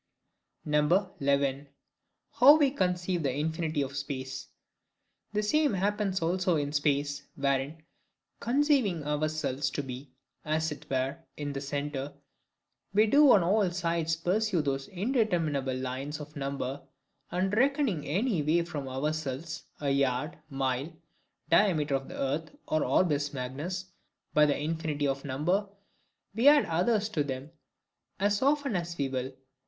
11. How we conceive the Infinity of Space. The same happens also in space, wherein, conceiving ourselves to be, as it were, in the centre, we do on all sides pursue those indeterminable lines of number; and reckoning any way from ourselves, a yard, mile, diameter of the earth or orbis magnus,—by the infinity of number, we add others to them, as often as we will.